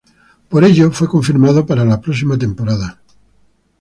Por ello, fue confirmado para la próxima temporada.